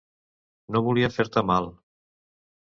No volia fer-te mal...